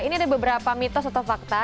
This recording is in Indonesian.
ini ada beberapa mitos atau fakta